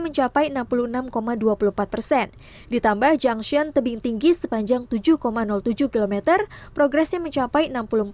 mencapai enam puluh enam dua puluh empat persen ditambah junction tebing tinggi sepanjang tujuh tujuh km progresnya mencapai